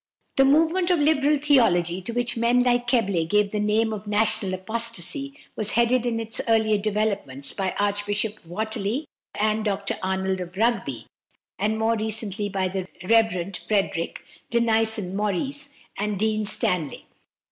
The movement of Liberal theology, to which men like Keble gave the name of "national apostasy," was headed in its earlier developments by Archbishop Whately and Dr Arnold of Rugby, and more recently by the Rev. Frederick Denison Maurice and Dean Stanley.